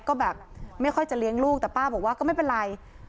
ก็แบบไม่ค่อยจะเลี้ยงลูกแต่ป้าบอกว่าก็ไม่เป็นไร